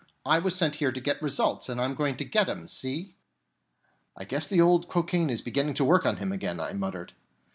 I was sent here to get results, and I'm going to get 'em, see?" "I guess the old cocaine is beginning to work on him again," I muttered.